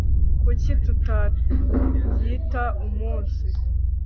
Kuki tutayita umunsi